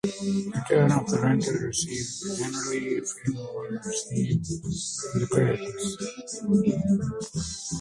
"Return of the Rentals" received generally favorable reviews from critics.